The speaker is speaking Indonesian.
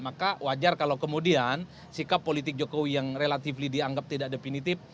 maka wajar kalau kemudian sikap politik jokowi yang relatif dianggap tidak definitif